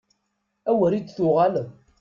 Awer i d-tuɣaleḍ!